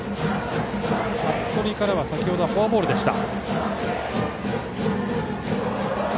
服部からは先程フォアボールでした。